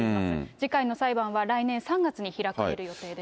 次回の裁判は、来年３月に開かれる予定です。